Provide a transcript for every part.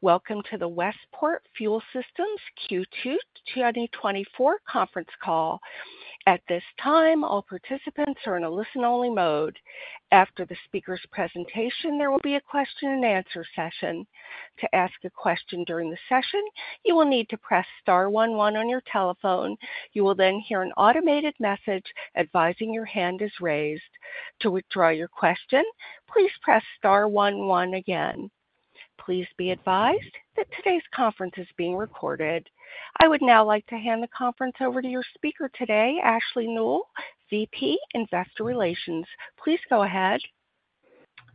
Welcome to the Westport Fuel Systems Q2 2024 conference call. At this time, all participants are in a listen-only mode. After the speaker's presentation, there will be a question and answer session. To ask a question during the session, you will need to press star one one on your telephone. You will then hear an automated message advising your hand is raised. To withdraw your question, please press star one one again. Please be advised that today's conference is being recorded. I would now like to hand the conference over to your speaker today, Ashley Nuell, VP, Investor Relations. Please go ahead.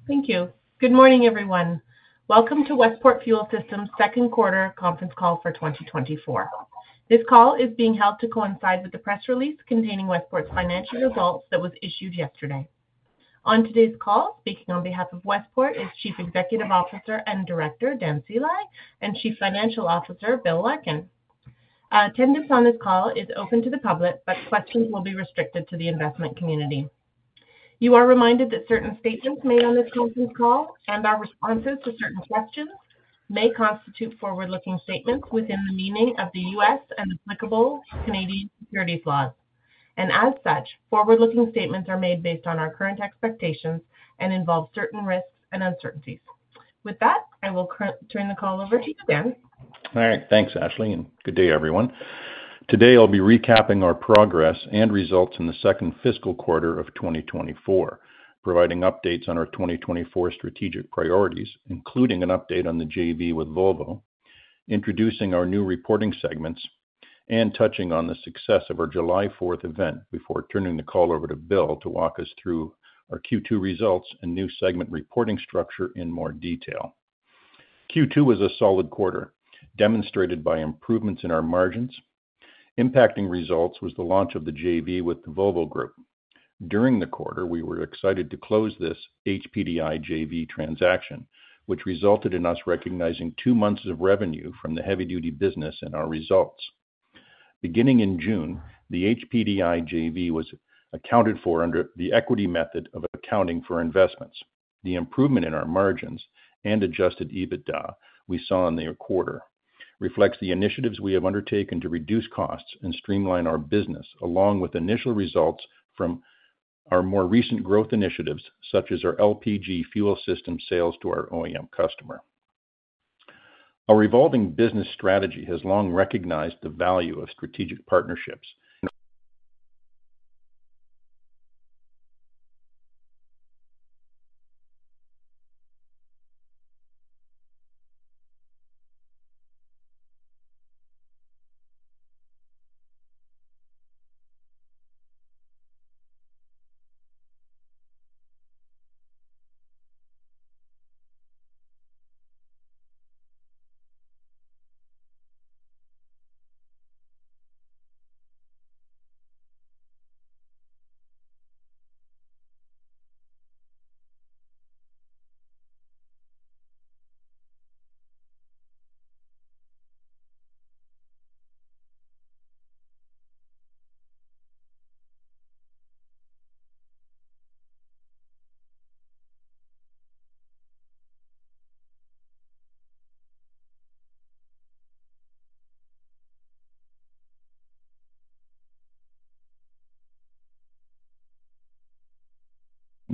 Thank you. Good morning, everyone. Welcome to Westport Fuel Systems second quarter conference call for 2024. This call is being held to coincide with the press release containing Westport's financial results that was issued yesterday. On today's call, speaking on behalf of Westport is Chief Executive Officer and Director, Dan Sceli, and Chief Financial Officer, Bill Larkin. Attendance on this call is open to the public, but questions will be restricted to the investment community. You are reminded that certain statements made on this call and our responses to certain questions may constitute forward-looking statements within the meaning of the U.S. and applicable Canadian securities laws. As such, forward-looking statements are made based on our current expectations and involve certain risks and uncertainties. With that, I will turn the call over to you, Dan. All right, thanks, Ashley, and good day, everyone. Today, I'll be recapping our progress and results in the second fiscal quarter of 2024, providing updates on our 2024 strategic priorities, including an update on the JV with Volvo, introducing our new reporting segments, and touching on the success of our July 4 event, before turning the call over to Bill to walk us through our Q2 results and new segment reporting structure in more detail. Q2 was a solid quarter, demonstrated by improvements in our margins. Impacting results was the launch of the JV with the Volvo Group. During the quarter, we were excited to close this HPDI JV transaction, which resulted in us recognizing two months of revenue from the heavy-duty business and our results. Beginning in June, the HPDI JV was accounted for under the equity method of accounting for investments. The improvement in our margins and Adjusted EBITDA we saw in the quarter reflects the initiatives we have undertaken to reduce costs and streamline our business, along with initial results from our more recent growth initiatives, such as our LPG fuel system sales to our OEM customer. Our evolving business strategy has long recognized the value of strategic partnerships.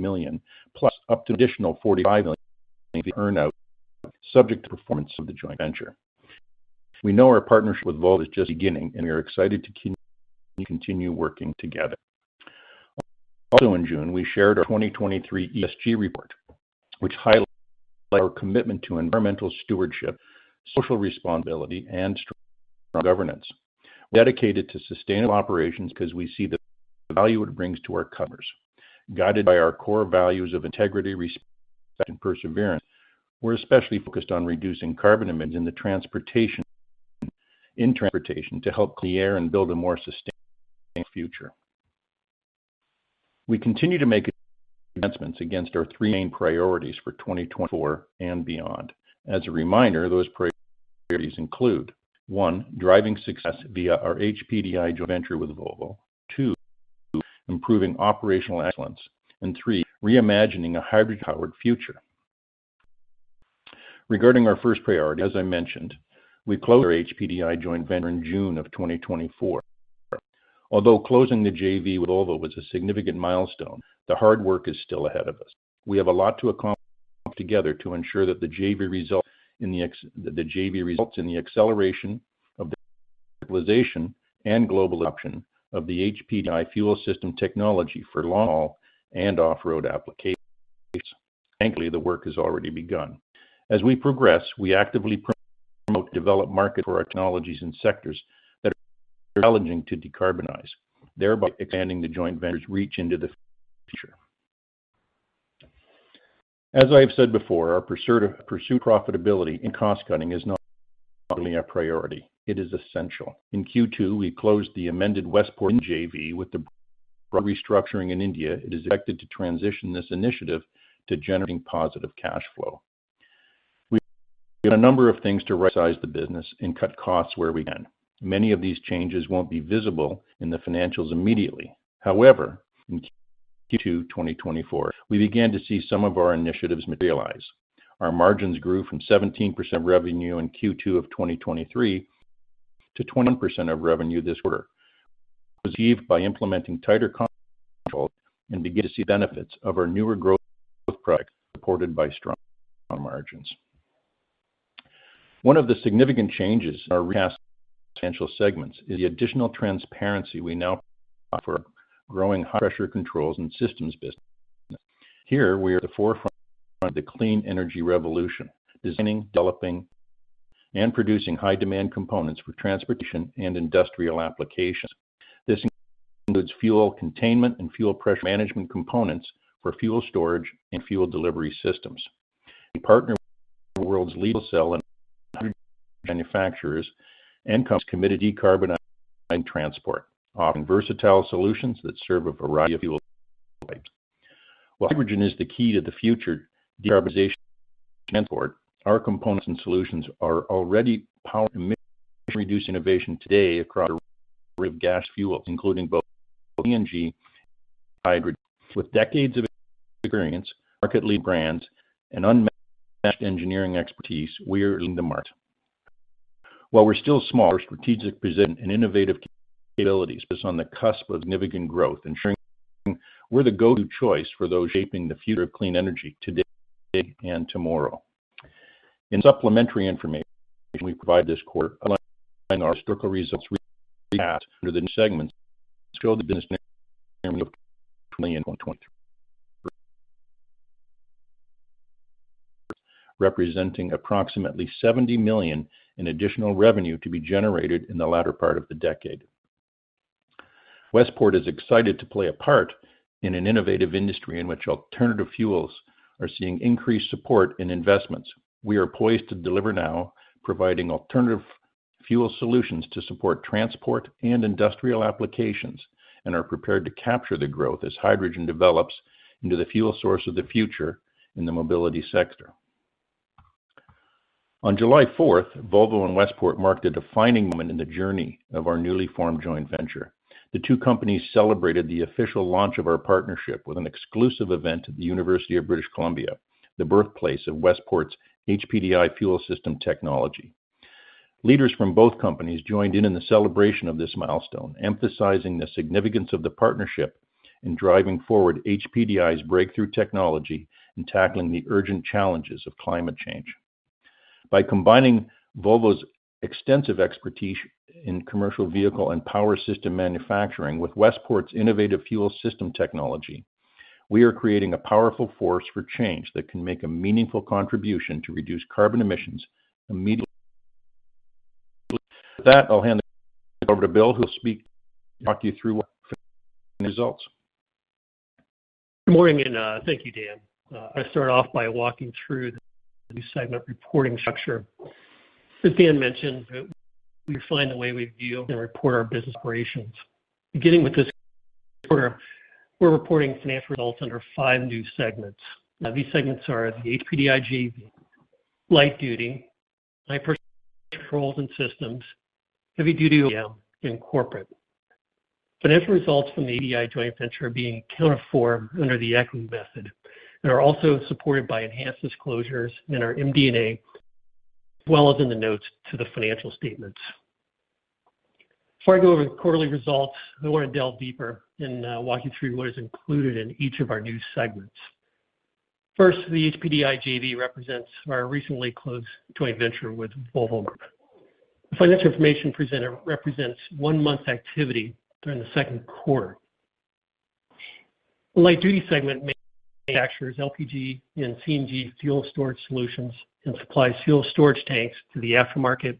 $28 million, plus up to an additional $45 million to earn out, subject to performance of the joint venture. We know our partnership with Volvo is just beginning, and we are excited to continue working together. Also, in June, we shared our 2023 ESG report, which highlights our commitment to environmental stewardship, social responsibility, and strong governance. We are dedicated to sustainable operations because we see the value it brings to our customers. Guided by our core values of integrity, respect, and perseverance, we're especially focused on reducing carbon emissions in the transportation, in transportation to help clean the air and build a more sustainable future. We continue to make advancements against our three main priorities for 2024 and beyond. As a reminder, those priorities include, one, driving success via our HPDI joint venture with Volvo. Two, improving operational excellence, and three, reimagining a hybrid-powered future. Regarding our first priority, as I mentioned, we closed our HPDI joint venture in June of 2024. Although closing the JV with Volvo was a significant milestone, the hard work is still ahead of us. We have a lot to accomplish together to ensure that the JV results in the acceleration of the realization and global adoption of the HPDI fuel system technology for long-haul and off-road applications. Thankfully, the work has already begun. As we progress, we actively promote, develop markets for our technologies and sectors that are challenging to decarbonize, thereby expanding the joint venture's reach into the future. As I have said before, our pursuit of profitability and cost cutting is not only our priority, it is essential. In Q2, we closed the amended Westport JV with the restructuring in India. It is expected to transition this initiative to generating positive cash flow. We have a number of things to rightsize the business and cut costs where we can. Many of these changes won't be visible in the financials immediately. However, in Q3 to 2024, we began to see some of our initiatives materialize. Our margins grew from 17% of revenue in Q2 of 2023 to 21% of revenue this quarter. Achieved by implementing tighter cost controls and beginning to see the benefits of our newer growth, growth products supported by strong margins. One of the significant changes in our recast reporting segments is the additional transparency we now offer for growing High Pressure Controls and Systems business. Here we are at the forefront of the clean energy revolution, designing, developing, and producing high-demand components for transportation and industrial applications. This includes fuel containment and fuel pressure management components for Fuel Storage and fuel delivery systems. We partner with the world's leading OEMs and manufacturers and companies committed to decarbonizing transport, offering versatile solutions that serve a variety of fuel types. While hydrogen is the key to the future decarbonization of transport, our components and solutions are already powering emission-reducing innovation today across a range of gas fuels, including both CNG and hydrogen. With decades of experience, market leading brands, and unmatched engineering expertise, we are leading the market. While we're still small, our strategic position and innovative capabilities is on the cusp of significant growth, ensuring we're the go-to choice for those shaping the future of clean energy today and tomorrow. In supplementary information we provide this quarter, our historical results under the new segments show the business of 2020 and 2023, representing approximately $70 million in additional revenue to be generated in the latter part of the decade. Westport is excited to play a part in an innovative industry in which alternative fuels are seeing increased support in investments. We are poised to deliver now, providing alternative fuel solutions to support transport and industrial applications, and are prepared to capture the growth as hydrogen develops into the fuel source of the future in the mobility sector. On July 4th, Volvo and Westport marked a defining moment in the journey of our newly formed joint venture. The two companies celebrated the official launch of our partnership with an exclusive event at the University of British Columbia, the birthplace of Westport's HPDI Fuel System technology. Leaders from both companies joined in the celebration of this milestone, emphasizing the significance of the partnership in driving forward HPDI's breakthrough technology and tackling the urgent challenges of climate change. By combining Volvo's extensive expertise in commercial vehicle and power system manufacturing with Westport's innovative fuel system technology, we are creating a powerful force for change that can make a meaningful contribution to reduce carbon emissions immediately. With that, I'll hand it over to Bill, who will speak and talk you through results. Good morning, and thank you, Dan. I start off by walking through the segment reporting structure. As Dan mentioned, we refine the way we view and report our business operations. Beginning with this quarter, we're reporting financial results under five new segments. These segments are the HPDI JV, Light-Duty, High Pressure Controls and Systems, Heavy-Duty OEM, and Corporate. Financial results from the HPDI joint venture are being accounted for under the equity method and are also supported by enhanced disclosures in our MD&A, as well as in the notes to the financial statements. Before I go over the quarterly results, I want to delve deeper and walk you through what is included in each of our new segments. First, the HPDI JV represents our recently closed joint venture with Volvo Group. The financial information presented represents one-month activity during the second quarter. Light-Duty segment manufactures LPG and CNG Fuel Storage solutions and supplies Fuel Storage tanks to the aftermarket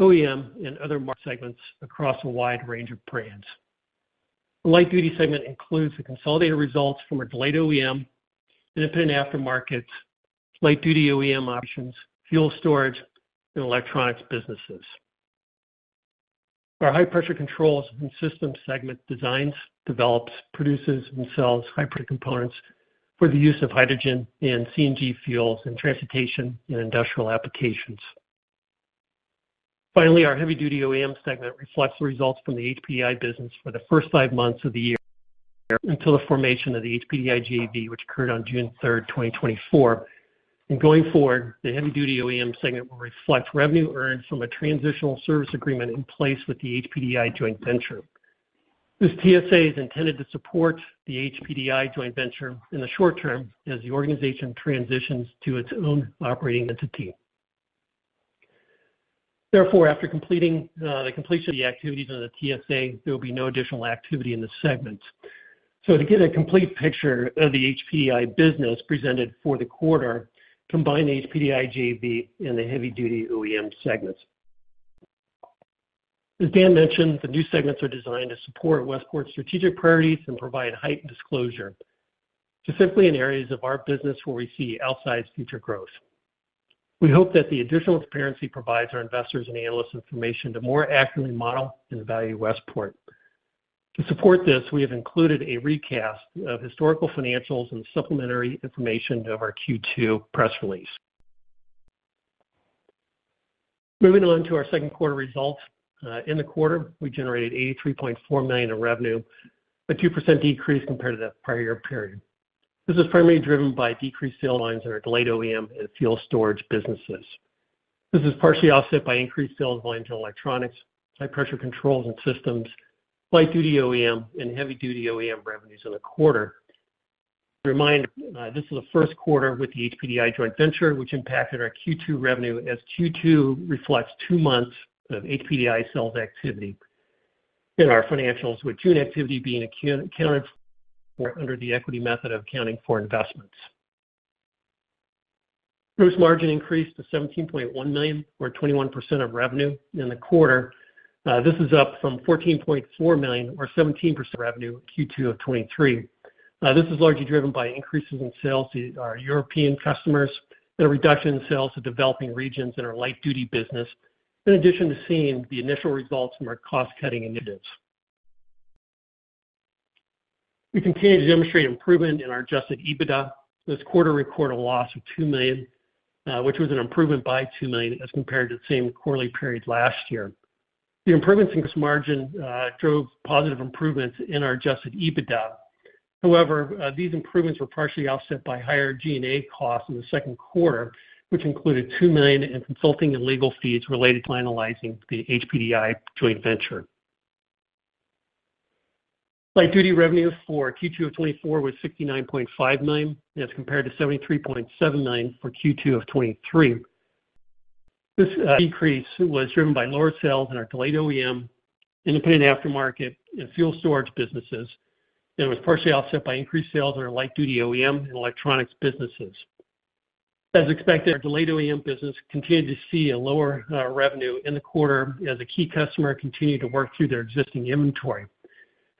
OEM and other market segments across a wide range of brands. The Light-Duty segment includes the consolidated results from our Delayed OEM and Independent Aftermarket, Light-Duty OEM operations, Fuel Storage, and Electronics businesses. Our High Pressure Controls and Systems segment designs, develops, produces, and sells high-pressure components for the use of hydrogen and CNG fuels in transportation and industrial applications. Finally, our Heavy-Duty OEM segment reflects the results from the HPDI business for the first five months of the year until the formation of the HPDI JV, which occurred on June 3rd, 2024. Going forward, the Heavy-Duty OEM segment will reflect revenue earned from a Transitional Services Agreement in place with the HPDI joint venture. This TSA is intended to support the HPDI joint venture in the short term as the organization transitions to its own operating entity. Therefore, after completing the completion of the activities under the TSA, there will be no additional activity in the segment. So to get a complete picture of the HPDI business presented for the quarter, combine the HPDI JV and the Heavy-Duty OEM segments. As Dan mentioned, the new segments are designed to support Westport's strategic priorities and provide heightened disclosure to simplify in areas of our business where we see outsized future growth. We hope that the additional transparency provides our investors and analysts information to more accurately model and value Westport. To support this, we have included a recast of historical financials and supplementary information of our Q2 press release... Moving on to our second quarter results. In the quarter, we generated $83.4 million in revenue, a 2% decrease compared to the prior period. This is primarily driven by decreased sales lines in our Delayed OEM and Fuel Storage businesses. This is partially offset by increased sales volume to electronics, High Pressure Controls and Systems, Light-Duty OEM, and Heavy-Duty OEM revenues in the quarter. Reminder, this is the first quarter with the HPDI joint venture, which impacted our Q2 revenue, as Q2 reflects two months of HPDI sales activity in our financials, with June activity being accounted for under the equity method of accounting for investments. Gross margin increased to $17.1 million, or 21% of revenue in the quarter. This is up from $14.4 million or 17% of revenue, Q2 of 2023. This is largely driven by increases in sales to our European customers and a reduction in sales to developing regions in our Light-Duty business, in addition to seeing the initial results from our cost-cutting initiatives. We continue to demonstrate improvement in our Adjusted EBITDA. This quarter record a loss of $2 million, which was an improvement by $2 million as compared to the same quarterly period last year. The improvements in this margin drove positive improvements in our Adjusted EBITDA. However, these improvements were partially offset by higher G&A costs in the second quarter, which included $2 million in consulting and legal fees related to finalizing the HPDI joint venture. Light-Duty revenues for Q2 of 2024 was $69.5 million, as compared to $73.7 million for Q2 of 2023. This decrease was driven by lower sales in our Delayed OEM, Independent Aftermarket and Fuel Storage businesses. It was partially offset by increased sales in our Light-Duty OEM and Electronics businesses. As expected, our Delayed OEM business continued to see a lower revenue in the quarter as a key customer continued to work through their existing inventory.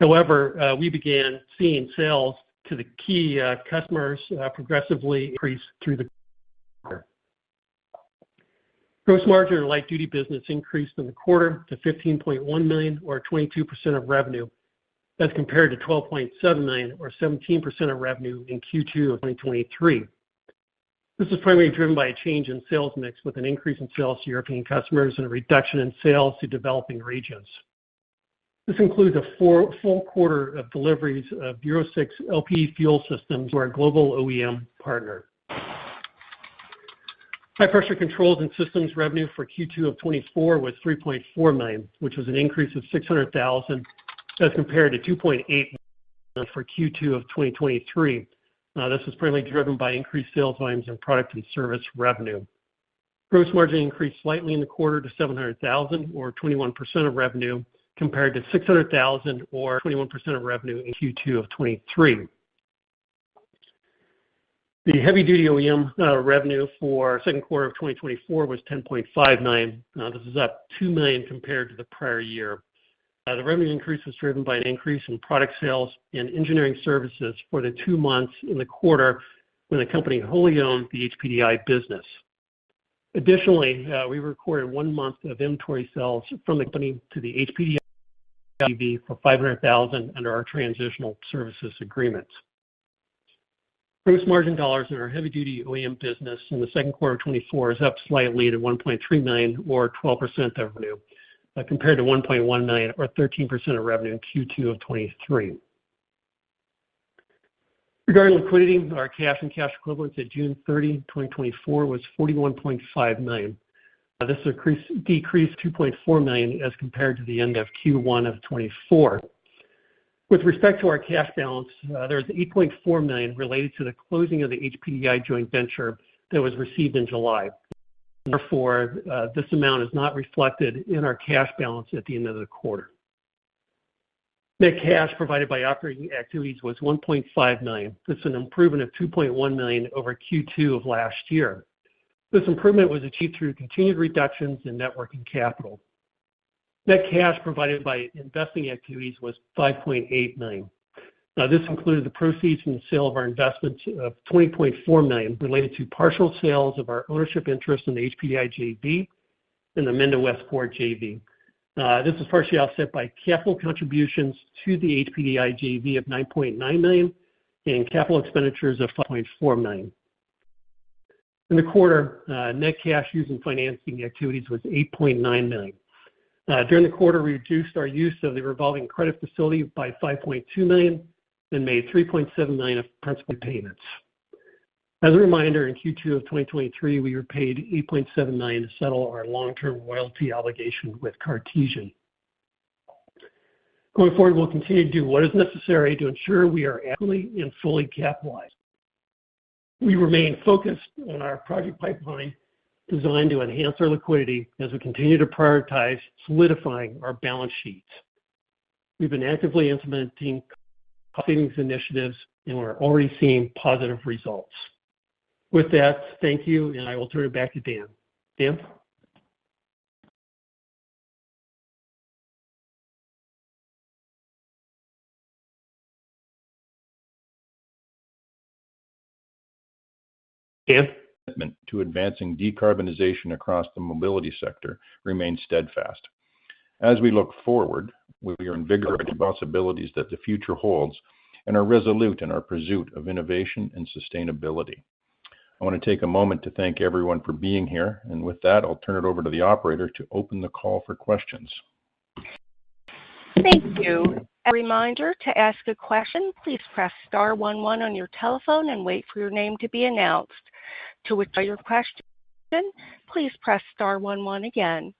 However, we began seeing sales to the key customers progressively increase through the quarter. Gross margin in Light-Duty business increased in the quarter to $15.1 million or 22% of revenue, as compared to $12.7 million or 17% of revenue in Q2 of 2023. This is primarily driven by a change in sales mix, with an increase in sales to European customers and a reduction in sales to developing regions. This includes a full quarter of deliveries of Euro 6 LP fuel systems to our global OEM partner. High Pressure Controls and Systems revenue for Q2 of 2024 was $3.4 million, which was an increase of $600,000, as compared to $2.8 million for Q2 of 2023. This was primarily driven by increased sales volumes and product and service revenue. Gross margin increased slightly in the quarter to $700,000 or 21% of revenue, compared to $600,000 or 21% of revenue in Q2 of 2023. The Heavy-Duty OEM revenue for second quarter of 2024 was $10.5 million. This is up $2 million compared to the prior year. The revenue increase was driven by an increase in product sales and engineering services for the two months in the quarter when the company wholly owned the HPDI business. Additionally, we recorded one month of inventory sales from the company to the HPDI for $500,000 under our Transitional Services Agreement. Gross margin dollars in our Heavy-Duty OEM business in the second quarter of 2024 is up slightly to $1.3 million or 12% revenue, compared to $1.1 million or 13% of revenue in Q2 of 2023. Regarding liquidity, our cash and cash equivalents at June 30, 2024 was $41.5 million. This decreased $2.4 million as compared to the end of Q1 of 2024. With respect to our cash balance, there's $8.4 million related to the closing of the HPDI joint venture that was received in July. Therefore, this amount is not reflected in our cash balance at the end of the quarter. Net cash provided by operating activities was $1.5 million. This is an improvement of $2.1 million over Q2 of last year. This improvement was achieved through continued reductions in net working capital. Net cash provided by investing activities was $5.8 million. Now, this included the proceeds from the sale of our investments of $20.4 million, related to partial sales of our ownership interest in the HPDI JV and the Weichai Westport JV. This is partially offset by capital contributions to the HPDI JV of $9.9 million and capital expenditures of $5.4 million. In the quarter, net cash used in financing activities was $8.9 million. During the quarter, we reduced our use of the revolving credit facility by $5.2 million and made $3.7 million of principal payments. As a reminder, in Q2 of 2023, we were paid $8.7 million to settle our long-term royalty obligation with Cartesian. Going forward, we'll continue to do what is necessary to ensure we are adequately and fully capitalized. We remain focused on our project pipeline, designed to enhance our liquidity as we continue to prioritize solidifying our balance sheets. We've been actively implementing cost initiatives, and we're already seeing positive results. With that, thank you, and I will turn it back to Dan. Dan? Dan?... Commitment to advancing decarbonization across the mobility sector remains steadfast. ...As we look forward, we are invigorated by the possibilities that the future holds and are resolute in our pursuit of innovation and sustainability. I want to take a moment to thank everyone for being here, and with that, I'll turn it over to the operator to open the call for questions. Thank you. A reminder, to ask a question, please press star one one on your telephone and wait for your name to be announced. To withdraw your question, please press star one one again.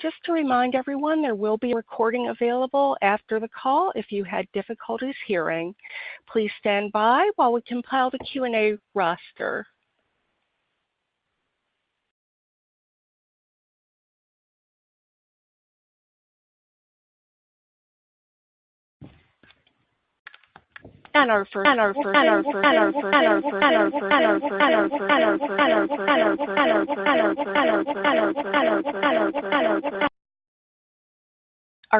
Just to remind everyone, there will be a recording available after the call if you had difficulties hearing. Please stand by while we compile the Q&A roster. Our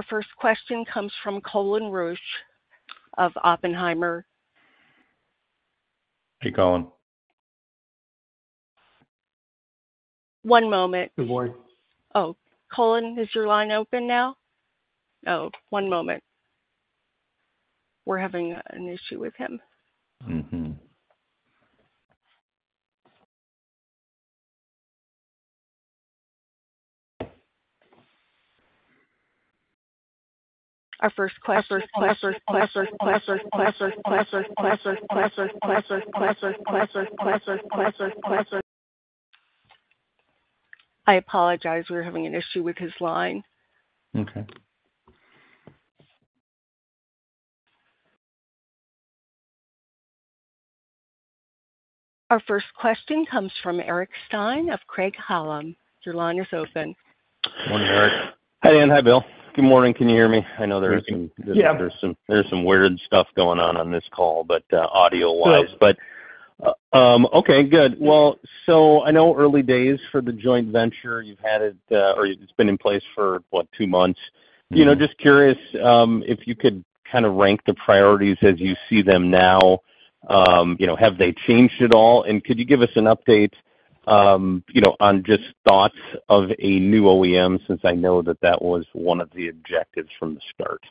first question comes from Colin Rusch of Oppenheimer. Hey, Colin. One moment. Good morning. Oh, Colin, is your line open now? Oh, one moment. We're having an issue with him. Mm-hmm. Our first question... I apologize. We're having an issue with his line. Okay. Our first question comes from Eric Stine of Craig-Hallum. Your line is open. Morning, Eric. Hi, Dan. Hi, Bill. Good morning. Can you hear me? I know there is some- Yeah. There's some weird stuff going on on this call, but, audio wise. Sure. Okay, good. Well, I know early days for the joint venture. You've had it, or it's been in place for what, two months. You know, just curious if you could kind of rank the priorities as you see them now. You know, have they changed at all? And could you give us an update, you know, on just thoughts of a new OEM, since I know that that was one of the objectives from the start?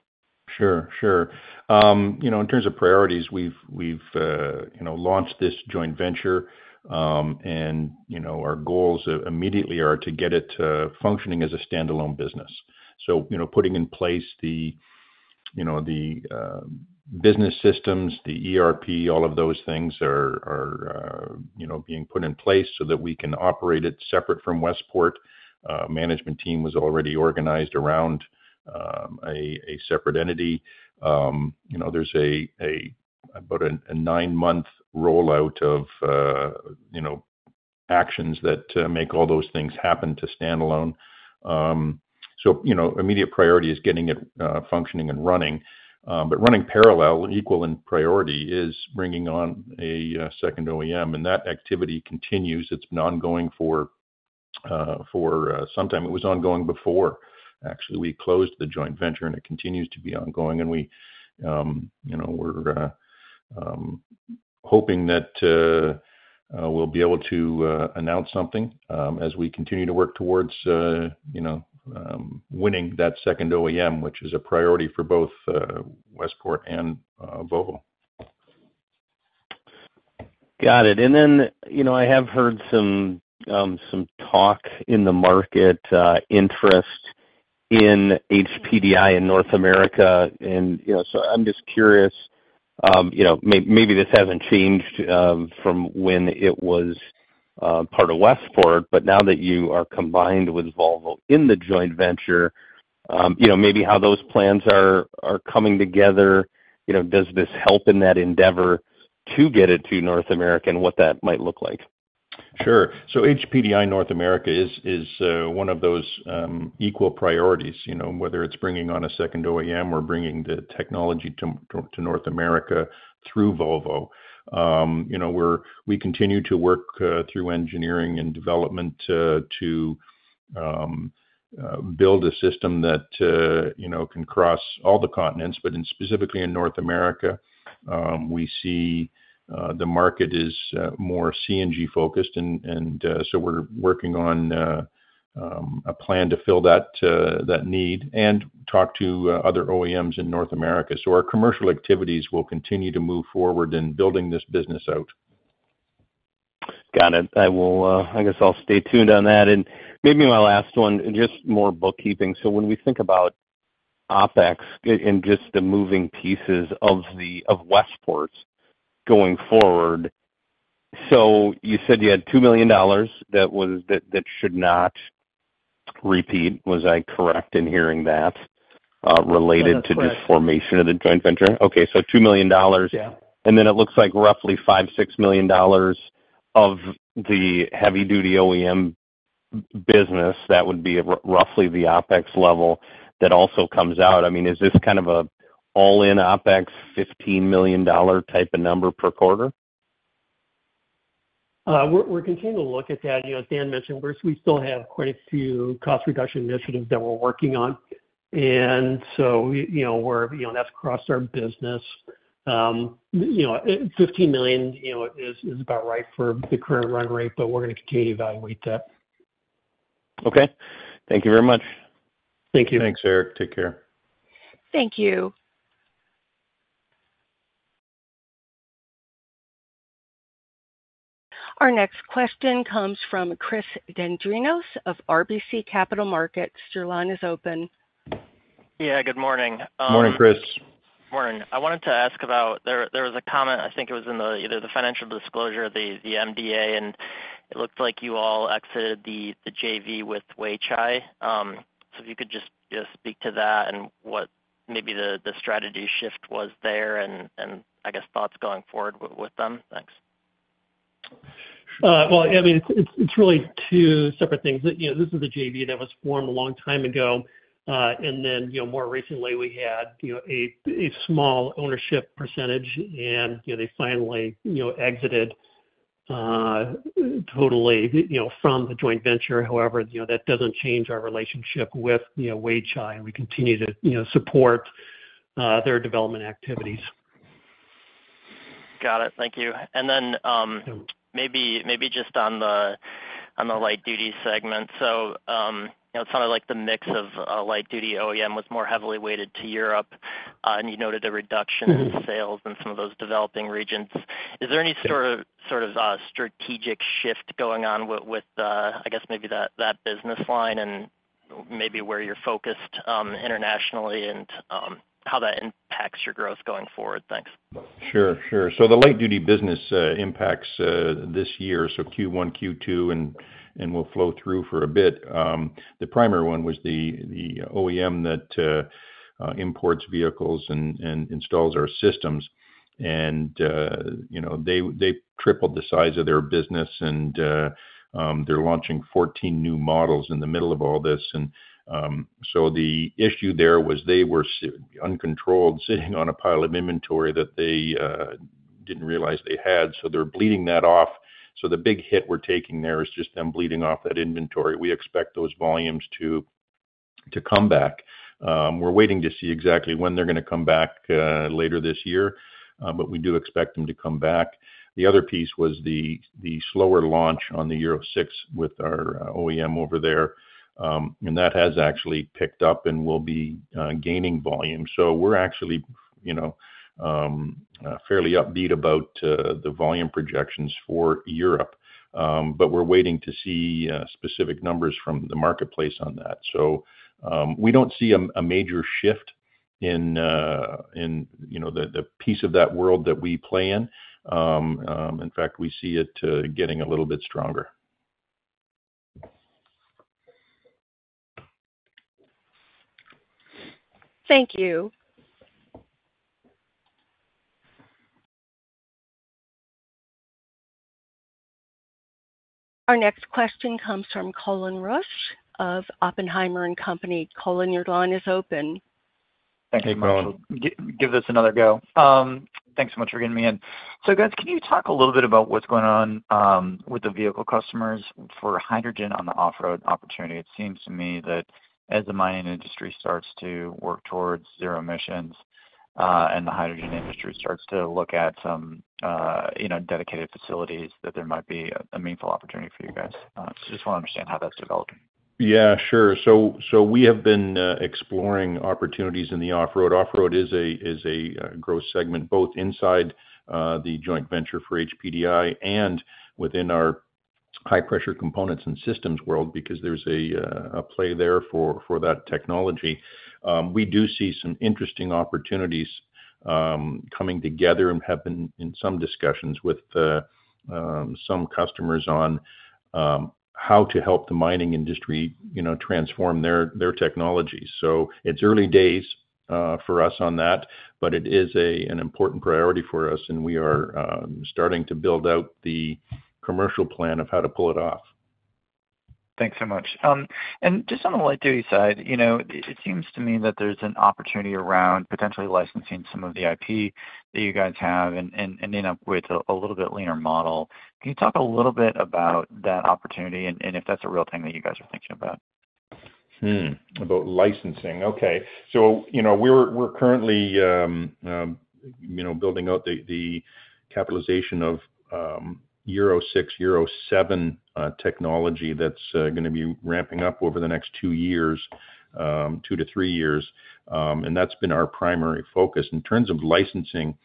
Sure, sure. You know, in terms of priorities, we've, we've you know, launched this joint venture, and, you know, our goals immediately are to get it to functioning as a standalone business. So, you know, putting in place the, you know, the business systems, the ERP, all of those things are, are you know, being put in place so that we can operate it separate from Westport. Management team was already organized around a separate entity. You know, there's about a nine-month rollout of, you know, actions that make all those things happen to standalone. So, you know, immediate priority is getting it functioning and running. But running parallel, equal in priority, is bringing on a second OEM, and that activity continues. It's been ongoing for some time. It was ongoing before actually we closed the joint venture, and it continues to be ongoing. And we, you know, we're hoping that we'll be able to announce something as we continue to work towards, you know, winning that second OEM, which is a priority for both Westport and Volvo. Got it. And then, you know, I have heard some, some talk in the market, interest in HPDI in North America. And, you know, so I'm just curious, you know, maybe this hasn't changed, from when it was, part of Westport, but now that you are combined with Volvo in the joint venture, you know, maybe how those plans are coming together. You know, does this help in that endeavor to get it to North America, and what that might look like? Sure. So HPDI North America is one of those equal priorities, you know, whether it's bringing on a second OEM or bringing the technology to North America through Volvo. You know, we continue to work through engineering and development to build a system that, you know, can cross all the continents, but specifically in North America, we see the market is more CNG-focused. And so we're working on a plan to fill that need and talk to other OEMs in North America. So our commercial activities will continue to move forward in building this business out. Got it. I will, I guess I'll stay tuned on that. And maybe my last one, just more bookkeeping. So when we think about OpEx and just the moving pieces of Westport going forward, so you said you had $2 million that was... that, that should not repeat. Was I correct in hearing that related to this formation of the joint venture? Yeah, that's correct. Okay, so $2 million. Yeah. And then it looks like roughly $5-$6 million of the Heavy-Duty OEM business, that would be roughly the OpEx level that also comes out. I mean, is this kind of an all-in OpEx, $15 million type of number per quarter? We're continuing to look at that. You know, as Dan mentioned, we still have quite a few cost reduction initiatives that we're working on, and so, you know, that's across our business. You know, $15 million is about right for the current run rate, but we're gonna continue to evaluate that. Okay. Thank you very much. Thank you. Thanks, Eric. Take care. Thank you. Our next question comes from Chris Dendrinos of RBC Capital Markets. Your line is open. Yeah, good morning, Morning, Chris. Morning. I wanted to ask about—there was a comment, I think it was in either the financial disclosure or the MDA, and it looked like you all exited the JV with Weichai. So if you could just speak to that and what maybe the strategy shift was there, and I guess thoughts going forward with them. Thanks. Well, I mean, it's really two separate things. That, you know, this is the JV that was formed a long time ago, and then, you know, more recently, we had, you know, a small ownership percentage, and, you know, they finally, you know, exited totally, you know, from the joint venture. However, you know, that doesn't change our relationship with, you know, Weichai, and we continue to, you know, support their development activities. Got it. Thank you. And then, maybe, maybe just on the, on the light-Duty segment. So, you know, it sounded like the mix of, Light-Duty OEM was more heavily weighted to Europe, and you noted a reduction in sales in some of those developing regions. Is there any sort of, sort of, strategic shift going on with the, I guess maybe that, that business line and maybe where you're focused, internationally and, how that impacts your growth going forward? Thanks. Sure, sure. So the light-duty business impacts this year, so Q1, Q2, and will flow through for a bit. The primary one was the OEM that imports vehicles and installs our systems. And, you know, they tripled the size of their business and they're launching 14 new models in the middle of all this. And, so the issue there was they were uncontrolled, sitting on a pile of inventory that they didn't realize they had, so they're bleeding that off. So the big hit we're taking there is just them bleeding off that inventory. We expect those volumes to come back. We're waiting to see exactly when they're gonna come back later this year, but we do expect them to come back. The other piece was the slower launch on the Euro 6 with our OEM over there, and that has actually picked up and will be gaining volume. So we're actually, you know, fairly upbeat about the volume projections for Europe, but we're waiting to see specific numbers from the marketplace on that. So, we don't see a major shift in, you know, the piece of that world that we play in. In fact, we see it getting a little bit stronger. Thank you. Our next question comes from Colin Rusch of Oppenheimer and Company. Colin, your line is open. Thank you. Hey, Colin. Give this another go. Thanks so much for getting me in. So guys, can you talk a little bit about what's going on with the vehicle customers for hydrogen on the off-road opportunity? It seems to me that as the mining industry starts to work towards zero emissions, and the hydrogen industry starts to look at some, you know, dedicated facilities, that there might be a meaningful opportunity for you guys. So just want to understand how that's developing. Yeah, sure. So, so we have been exploring opportunities in the off-road. Off-road is a growth segment, both inside the joint venture for HPDI and within our high-pressure components and systems world, because there's a play there for that technology. We do see some interesting opportunities coming together and have been in some discussions with some customers on how to help the mining industry, you know, transform their technologies. So it's early days for us on that, but it is an important priority for us, and we are starting to build out the commercial plan of how to pull it off. Thanks so much. And just on the Light-Duty side, you know, it seems to me that there's an opportunity around potentially licensing some of the IP that you guys have and ending up with a little bit leaner model. Can you talk a little bit about that opportunity and if that's a real thing that you guys are thinking about? Hmm, about licensing. Okay. So, you know, we're currently building out the capitalization of Euro 6, Euro 7 technology that's gonna be ramping up over the next 2 years, 2 to 3 years, and that's been our primary focus. In terms of licensing,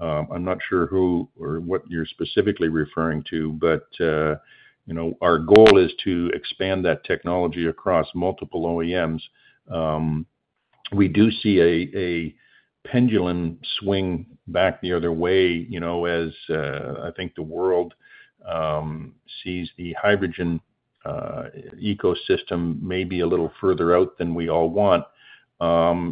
I'm not sure who or what you're specifically referring to, but you know, our goal is to expand that technology across multiple OEMs. We do see a pendulum swing back the other way, you know, as I think the world sees the hydrogen ecosystem maybe a little further out than we all want.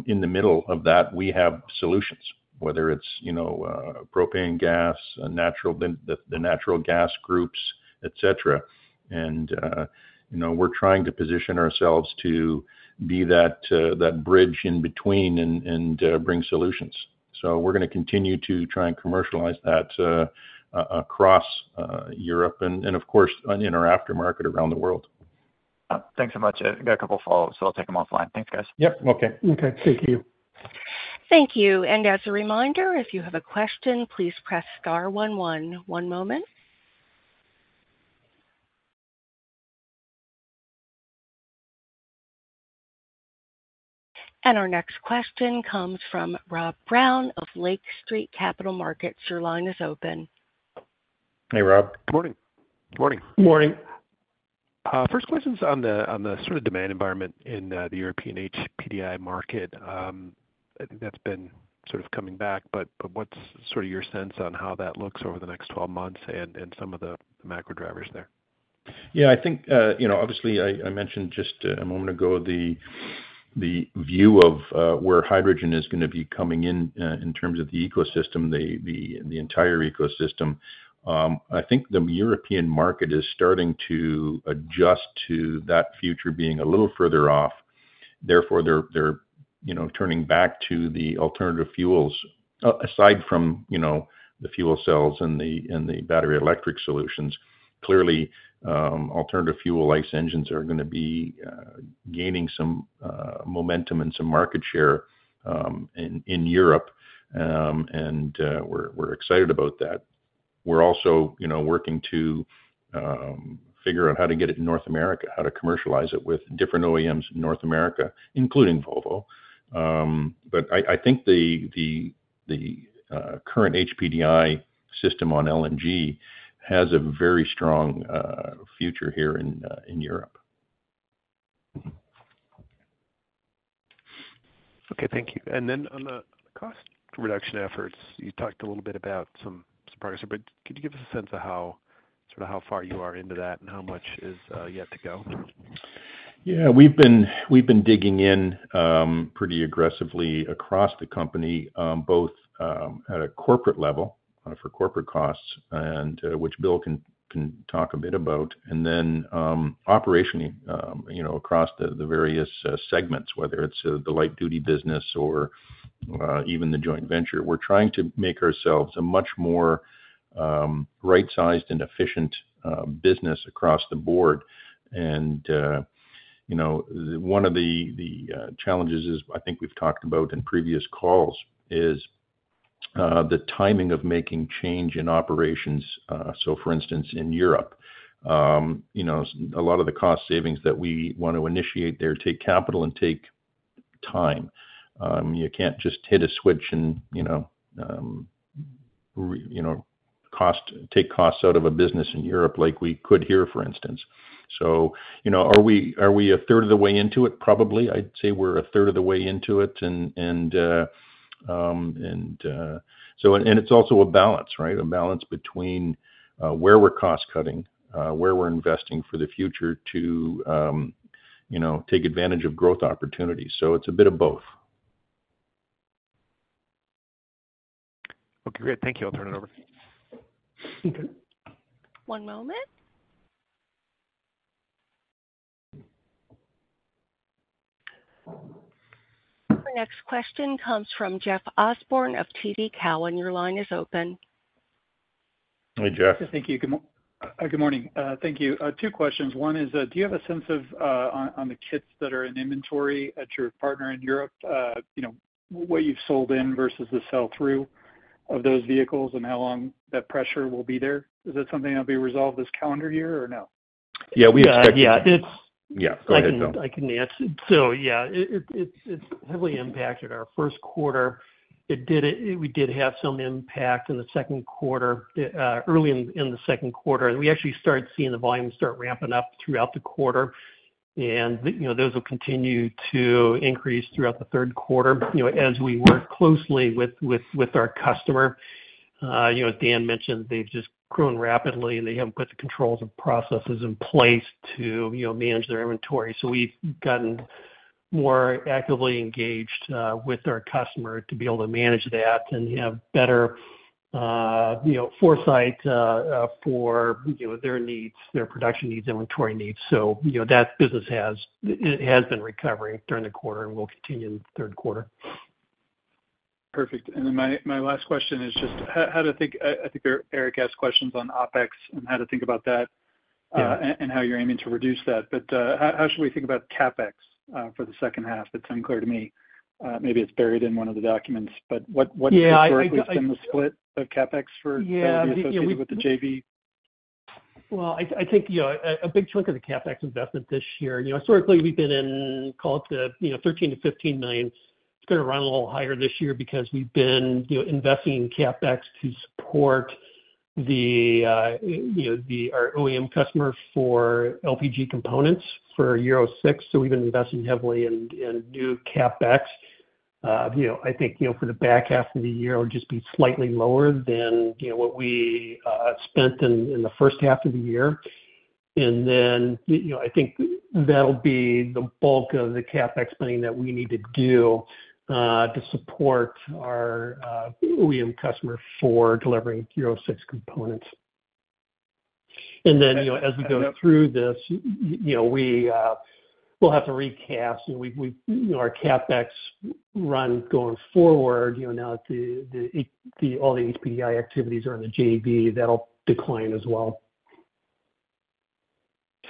In the middle of that, we have solutions, whether it's, you know, propane gas, natural gas groups, et cetera. You know, we're trying to position ourselves to be that bridge in between and bring solutions. So we're gonna continue to try and commercialize that across Europe and, of course, in our aftermarket around the world.... thanks so much. I've got a couple follow-ups, so I'll take them offline. Thanks, guys. Yep, okay. Okay. Thank you. Thank you. As a reminder, if you have a question, please press star one one. One moment. Our next question comes from Rob Brown of Lake Street Capital Markets. Your line is open. Hey, Rob. Good morning. Good morning. Good morning. First question's on the sort of demand environment in the European HPDI market. I think that's been sort of coming back, but what's sort of your sense on how that looks over the next twelve months and some of the macro drivers there? Yeah, I think, you know, obviously, I mentioned just a moment ago, the view of where hydrogen is gonna be coming in in terms of the ecosystem, the entire ecosystem. I think the European market is starting to adjust to that future being a little further off. Therefore, they're turning back to the alternative fuels. Aside from the fuel cells and the battery electric solutions, clearly, alternative fuel ICE engines are gonna be gaining some momentum and some market share in Europe. And we're excited about that. We're also, you know, working to figure out how to get it in North America, how to commercialize it with different OEMs in North America, including Volvo. But I think the current HPDI system on LNG has a very strong future here in Europe. Okay, thank you. And then on the cost reduction efforts, you talked a little bit about some progress, but could you give us a sense of how, sort of how far you are into that and how much is yet to go? Yeah, we've been digging in pretty aggressively across the company, both at a corporate level for corporate costs, and which Bill can talk a bit about, and then operationally, you know, across the various segments, whether it's the light-duty business or even the joint venture. We're trying to make ourselves a much more right-sized and efficient business across the board. And you know, one of the challenges is, I think we've talked about in previous calls, is the timing of making change in operations. So for instance, in Europe, you know, a lot of the cost savings that we want to initiate there take capital and take time. You can't just hit a switch and, you know, take costs out of a business in Europe like we could here, for instance. So, you know, are we a third of the way into it? Probably. I'd say we're a third of the way into it. And it's also a balance, right? A balance between where we're cost-cutting, where we're investing for the future to, you know, take advantage of growth opportunities. So it's a bit of both. Okay, great. Thank you. I'll turn it over. Okay. One moment. The next question comes from Jeff Osborne of TD Cowen. Your line is open. Hey, Jeff. Thank you. Good morning. Thank you. Two questions. One is, do you have a sense of, on, on the kits that are in inventory at your partner in Europe, you know, what you've sold in versus the sell-through of those vehicles and how long that pressure will be there? Is that something that'll be resolved this calendar year or no? Yeah, go ahead, Bill. I can answer. So yeah, it's heavily impacted our first quarter. It did—we did have some impact in the second quarter early in the second quarter, and we actually started seeing the volumes start ramping up throughout the quarter. And those will continue to increase throughout the third quarter, you know, as we work closely with our customer. You know, as Dan mentioned, they've just grown rapidly, and they haven't put the controls and processes in place to manage their inventory. So we've gotten more actively engaged with our customer to be able to manage that and have better foresight for their needs, their production needs, inventory needs. You know, that business, it has been recovering during the quarter and will continue in the third quarter. Perfect. And then my last question is just: How to think—I think Eric asked questions on OpEx and how to think about that- Yeah... and how you're aiming to reduce that. But how should we think about CapEx for the second half? It's unclear to me. Maybe it's buried in one of the documents, but what- Yeah, I- historically has been the split of CapEx for Yeah, you know, we- -associated with the JV? Well, I think, you know, a big chunk of the CapEx investment this year, you know, historically, we've been in call it the, you know, $13 million-$15 million. It's gonna run a little higher this year because we've been, you know, investing in CapEx to support the, you know, our OEM customer for LPG components for Euro 6. So we've been investing heavily in new CapEx. You know, I think, you know, for the back half of the year, it would just be slightly lower than, you know, what we spent in the first half of the year. And then, you know, I think that'll be the bulk of the CapEx spending that we need to do, to support our OEM customer for delivering Euro 6 components. And then, you know, as we go through this, you know, we, we'll have to recast. And we've you know, our CapEx run going forward, you know, now that all the HPDI activities are in the JV, that'll decline as well.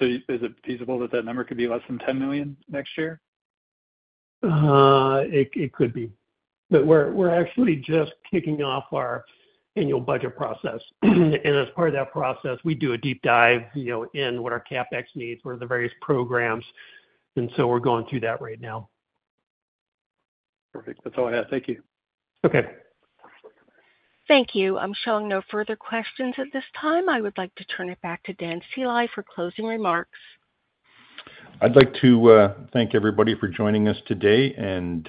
Is it feasible that that number could be less than $10 million next year? It could be. But we're actually just kicking off our annual budget process. And as part of that process, we do a deep dive, you know, in what our CapEx needs, what are the various programs, and so we're going through that right now. Perfect. That's all I have. Thank you. Okay. Thank you. I'm showing no further questions at this time. I would like to turn it back to Dan Sceli for closing remarks. I'd like to thank everybody for joining us today, and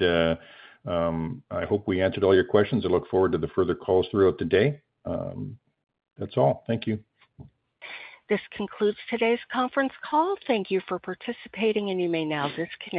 I hope we answered all your questions. I look forward to the further calls throughout the day. That's all. Thank you. This concludes today's conference call. Thank you for participating, and you may now disconnect.